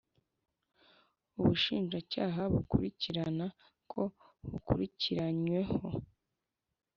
Ubushinjacyaha bukurikirana ko ukurikiranyweho